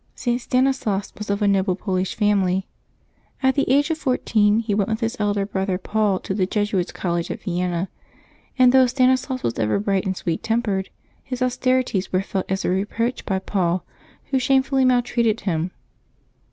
[T. Stanislas was of a noble Polish family. At the age of fourteen he went with his elder brother Paul to the Jesuits' College at Vienna; and though Stanislas was ever bright and sweet tempered, his austerities were felt as a reproach by Paul, who shamefully maltreated him.